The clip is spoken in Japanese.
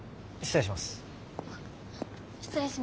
失礼します。